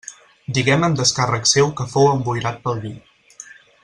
Diguem en descàrrec seu que fou emboirat pel vi.